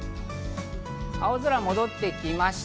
青空が戻ってきました。